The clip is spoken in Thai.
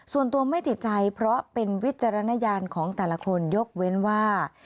ส่วนตัวไม่ติดใจเพราะเป็นวิจารณญาณของแต่ละคนยกเว้นว่า